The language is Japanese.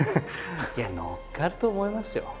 いや乗っかると思いますよ。